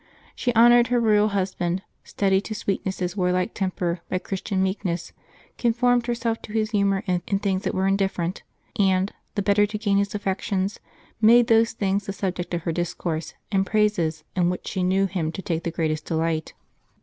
She honored her royal husband, studied to sweeten his warlike temper by Christian meekness, conformed herself to his humor in things that were indifferent, and, the better to gain his affections, made those things the subject of her discourse and praises in which she knew him to take the greatest de light.